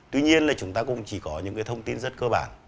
tuy nhiên chúng ta cũng chỉ có những thông tin rất cơ bản